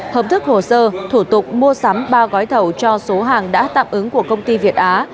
hợp thức hồ sơ thủ tục mua sắm ba gói thầu cho số hàng đã tạm ứng của công ty việt á